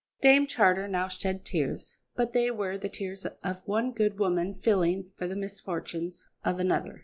Dame Charter now shed tears, but they were the tears of one good woman feeling for the misfortunes of another.